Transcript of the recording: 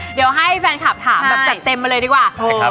พี่อายกับพี่อ๋อมไม่ได้ครับ